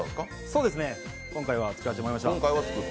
そうですね、今回は作らせてもらいました。